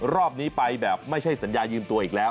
รอบนี้ไปแบบไม่ใช่สัญญายืมตัวอีกแล้ว